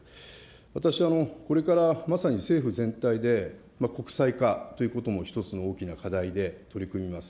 私、これからまさに政府全体で国際化ということも１つの大きな課題で取り組みます。